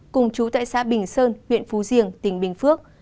cùng chú tại xã bình sơn huyện phú riềng tỉnh bình phước